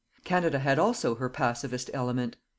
Canada had also her pacifist element.